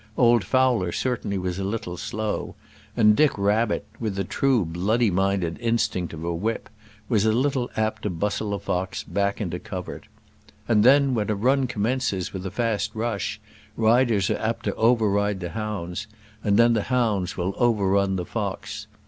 Old Fowler certainly was a little slow, and Dick Rabbit, with the true bloody minded instinct of a whip, was a little apt to bustle a fox back into covert. And then, when a run commences with a fast rush, riders are apt to over ride the hounds, and then the hounds will over run the fox.